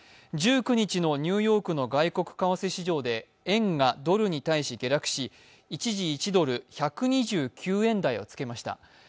１９日のニューヨークの外国為替市場で円がドルに対し下落し一時１ドル＝１２９円台をつけました。